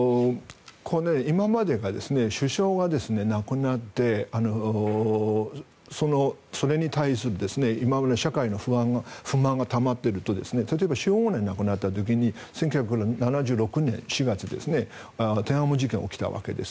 これ、今まで首相が亡くなってそれに対する社会の不満がたまっていると例えば、周恩来が亡くなった時に１９７６年４月に天安門事件が起きたわけです。